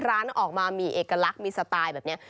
ร้านออกมามีเอกลักษณ์มีสไตล์แบบนี้